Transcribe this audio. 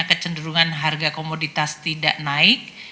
sehingga cenderungan harga komoditas tidak naik